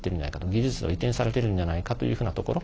技術が移転されてるんじゃないかというふうなところ。